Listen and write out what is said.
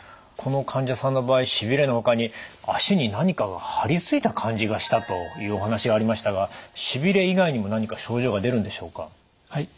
この患者さんの場合しびれのほかに足に何かが貼り付いた感じがしたというお話がありましたがしびれ以外にも何か症状が出るんでしょうか？